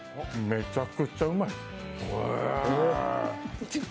めちゃくちゃうまい。